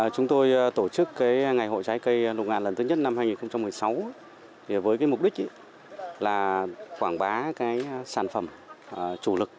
chúng tôi tổ chức ngày hội trái cây nụng ngạn lần thứ nhất năm hai nghìn một mươi sáu với mục đích là quảng bá sản phẩm chủ lực